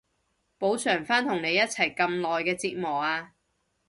補償返同你一齊咁耐嘅折磨啊